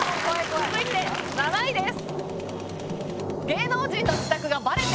続いて７位です。